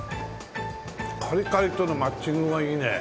カリカリとのマッチングがいいね。